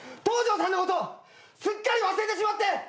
東條さんのことすっかり忘れてしまって。